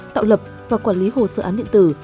tạo lập và quản lý hồ sơ án điện tử